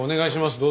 どうぞ。